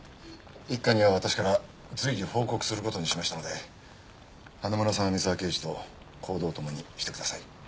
一課には私から随時報告する事にしましたので花村さんは三沢刑事と行動を共にしてください。